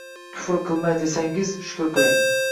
Kufr qilmay desangiz, shukr qiling.